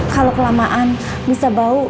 kalau kelamaan bisa bau